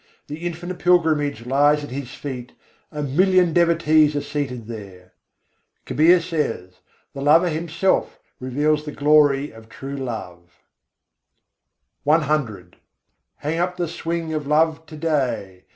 The infinite pilgrimage lies at His feet, a million devotees are seated there. Kabîr says: "The Lover Himself reveals the glory of true love." C II. 122. kôî prem kî peng jhulâo re Hang up the swing of love to day!